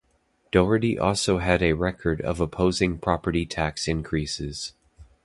Doherty also had a record of opposing property tax increases.